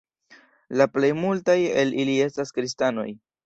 La plej multaj el ili estas kristanoj.